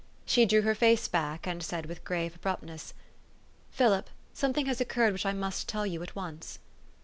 She drew her face back, and said with grave abruptness, 4 'Philip, something has occurred which I must tell } T OU at once."